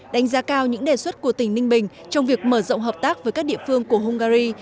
đánh giá cao những đề xuất của tỉnh ninh bình trong việc mở rộng hợp tác với các địa phương của hungary